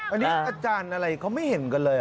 อันนี้อาจารย์อะไรเขาไม่เห็นกันเลย